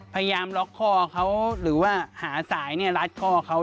พยายามล็อกคอเขาหรือว่าหาสายรัดคอเขา